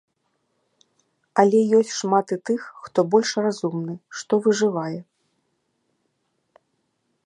Але ёсць шмат і тых, хто больш разумны, што выжывае.